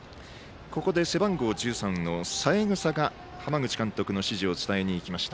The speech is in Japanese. ここで背番号１３の三枝が浜口監督の指示を伝えにいきました。